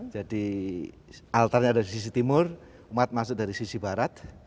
jadi altarnya ada di sisi timur umat masuk dari sisi barat